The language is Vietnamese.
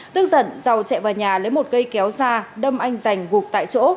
tức giận dầu chạy vào nhà lấy một cây kéo ra đâm anh giành gục tại chỗ